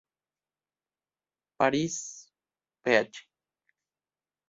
Paris: Ph.